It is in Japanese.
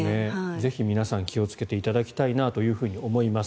ぜひ皆さん気をつけていただきたいなと思います。